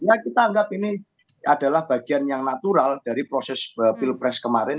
ya kita anggap ini adalah bagian yang natural dari proses pilpres kemarin